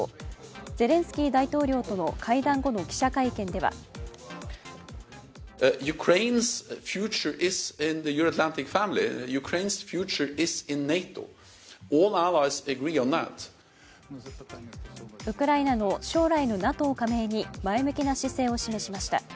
ゼレンスキー大統領との会談後の記者会見ではウクライナの将来のＮＡＴＯ加盟に前向きな姿勢を示しました。